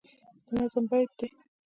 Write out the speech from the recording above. د نظم بیت دی